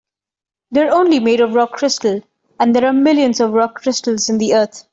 They're only made of rock crystal, and there are millions of rock crystals in the earth.